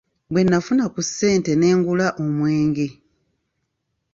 Bwe nnafuna ku ssente ne ngula omwenge.